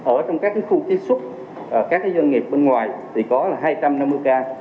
ở trong các khu tiết xuất các doanh nghiệp bên ngoài thì có là hai trăm năm mươi ca